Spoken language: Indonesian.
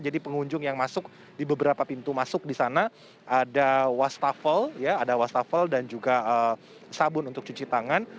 jadi pengunjung yang masuk di beberapa pintu masuk di sana ada wastafel dan juga sabun untuk cuci tangan